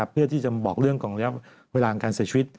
เพื่อที่จะบอกเรื่องของระยะเวลาของการเสียชีวิต